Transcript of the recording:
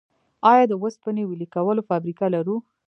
آیا د وسپنې ویلې کولو فابریکه لرو؟